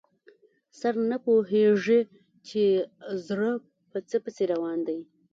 سر نه پوهېږي چې زړه په څه پسې روان دی.